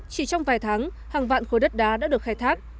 chỉ trong vài tháng hàng vạn khối đất đá đã được khai thác